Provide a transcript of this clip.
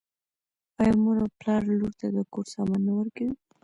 آیا مور او پلار لور ته د کور سامان نه ورکوي؟